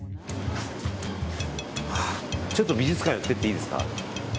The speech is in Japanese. ちょっと美術館寄ってっていいですか。